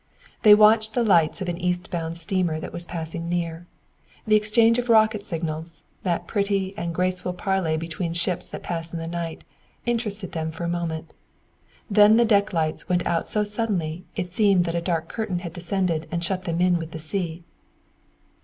They watched the lights of an east bound steamer that was passing near. The exchange of rocket signals that pretty and graceful parley between ships that pass in the night interested them for a moment. Then the deck lights went out so suddenly it seemed that a dark curtain had descended and shut them in with the sea.